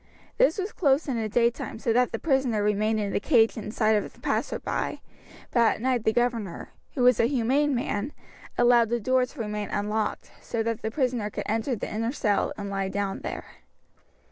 This was closed in the daytime, so that the prisoner remained in the cage in sight of passersby, but at night the governor, who was a humane man, allowed the door to remain unlocked, so that the prisoner could enter the inner cell and lie down there.